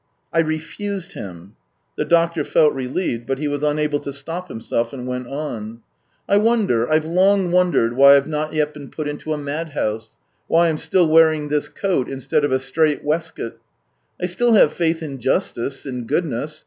" I refused him." The doctor felt relieved, but he was unable to stop himself and went on: " I wonder, I've long wondered, why I've not yet been put into a madhouse — why I'm still wearing this coat instead of a strait waistcoat ? I still have faith in justice, in goodness.